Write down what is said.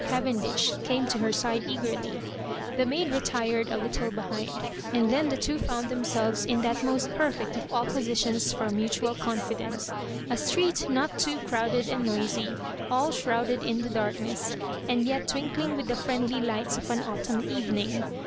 Cavendish came to her side eagerly. The maid retired a Digitized by VjOOQIC 120 loss MABJOBIBAinaS. little behind, aud then the two found themBeWes in that moat perfect of all poaiiions for mutoal ooufidence~a street not too crowded and noiaj, all shrouded in the darkness, and jet twmkling with the friendly lights of an autumn eyening.